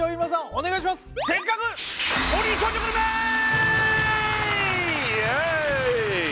お願いしますイエーイ！